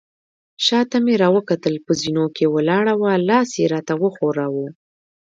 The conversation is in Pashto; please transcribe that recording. شاته مې راوکتل، په زینو کې ولاړه وه، لاس يې راته وښوراوه.